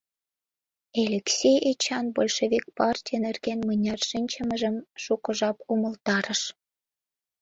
Элексей Эчан большевик партий нерген мыняр шинчымыжым шуко жап умылтарыш.